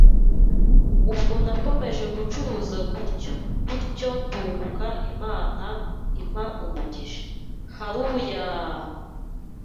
Ubwo nakomeje gucuruza gutyo, gutyo, ndukuka Imana impa umugisha!! HALLLUYA!!!